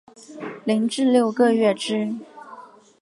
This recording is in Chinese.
零至六个月之